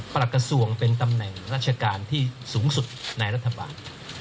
หลักกระทรวงเป็นตำแหน่งราชการที่สูงสุดในรัฐบาล